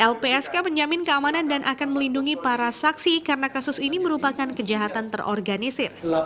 lpsk menjamin keamanan dan akan melindungi para saksi karena kasus ini merupakan kejahatan terorganisir